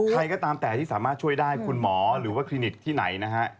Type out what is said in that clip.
ใครก็ตามแต่ที่สามารถช่วยได้คุณหมอหรือว่าคลินิกที่ไหนนะฮะ